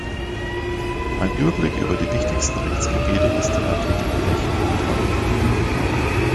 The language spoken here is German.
Ein Überblick über die wichtigsten Rechtsgebiete ist im Artikel "Recht" enthalten.